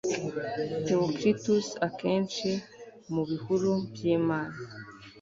theocritus akenshi mubihuru byimana